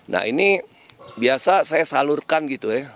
nah ini biasa saya salurkan gitu ya